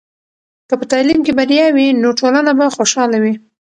که په تعلیم کې بریا وي، نو ټولنه به خوشحاله وي.